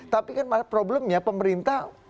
tapi kan problemnya pemerintah